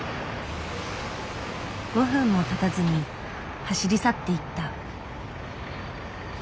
５分もたたずに走り去っていった。